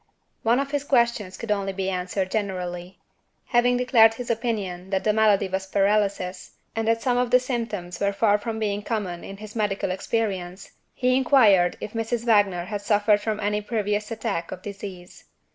One of his questions could only be answered generally. Having declared his opinion that the malady was paralysis, and that some of the symptoms were far from being common in his medical experience, he inquired if Mrs. Wagner had suffered from any previous attack of the disease.